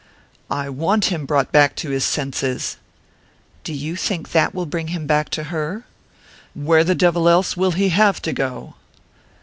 "I want him brought back to his senses." "Do you think that will bring him back to her?" "Where the devil else will he have to go?"